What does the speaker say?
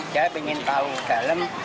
dia ingin tahu di dalam